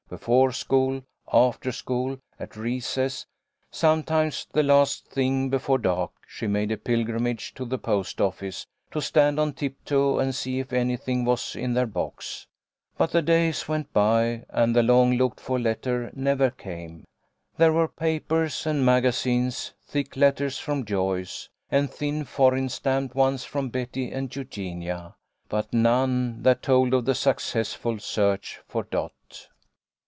Before school, after school, at recess, sometimes the last thing before dark, she made a pilgrimage to the post office, to stand on tiptoe and see if anything was in their box. But the days went by, and the long looked for letter never came. There were papers and maga zines, thick letters from Joyce, and thin foreign stamped ones from Betty and Eugenia, but none that told of a successful search for Dot.